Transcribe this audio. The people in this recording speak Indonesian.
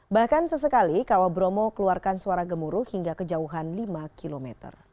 bahkan sesekali kawah bromo keluarkan suara gemuruh hingga kejauhan lima km